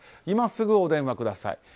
今すぐお電話ください。